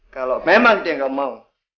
kau pergi dari sini